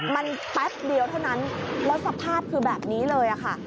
มันแป๊บเดียวเท่านั้นแล้วสภาพคือแบบนี้เลยค่ะ